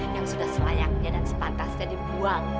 yang sudah selayaknya dan sepantasnya dibuang